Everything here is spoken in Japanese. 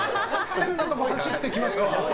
変なところ走っていきましたわ。